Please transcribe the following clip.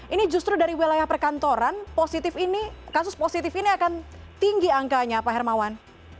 ini justru dari wilayah perkantoran positif ini kasus positif ini akan tinggi angkanya pak hermawan